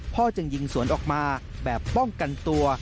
จึงยิงสวนออกมาแบบป้องกันตัว